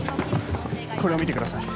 これを見てください。